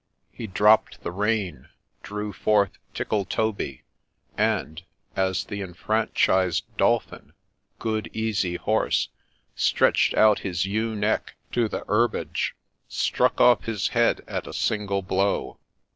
He dropped the rein, drew forth Tickletoby, and, as the enfranchised Dolphin, good easy horse, stretched out his ewe neck to the herbage, struck off his head at a single blow.